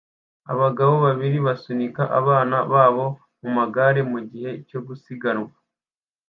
Abagabo babiri basunika abana babo mumagare mugihe cyo gusiganwa